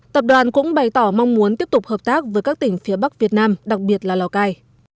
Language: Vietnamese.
tập đoàn cũng bày tỏ mong muốn tiếp tục hợp tác với các tỉnh phía bắc việt nam đặc biệt là lào cai